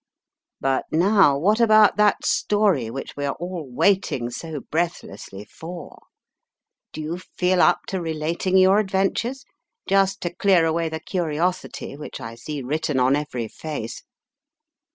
But now what about that story which we are all waiting so breathlessly for? Do you feel up to relating your adventures, just to clear away the curiosity which I see written on every face?"